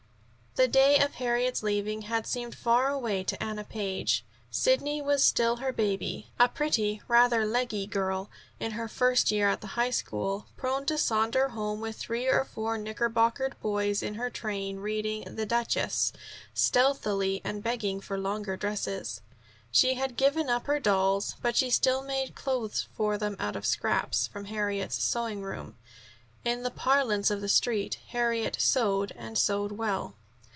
The day of Harriet's leaving had seemed far away to Anna Page. Sidney was still her baby, a pretty, rather leggy girl, in her first year at the High School, prone to saunter home with three or four knickerbockered boys in her train, reading "The Duchess" stealthily, and begging for longer dresses. She had given up her dolls, but she still made clothes for them out of scraps from Harriet's sewing room. In the parlance of the Street, Harriet "sewed" and sewed well.